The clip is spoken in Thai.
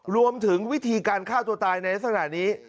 รวมถึงวิธีการฆ่าตัวตายในสถานี